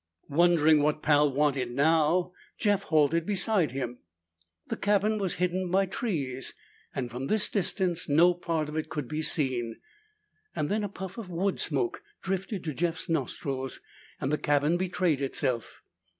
Wondering what Pal wanted now, Jeff halted beside him. The cabin was hidden by trees; from this distance no part of it could be seen. Then a puff of wood smoke drifted to Jeff's nostrils and the cabin betrayed itself.